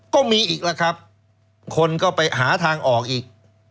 ก็มีอีกแล้วครับคนก็ไปหาทางออกอีก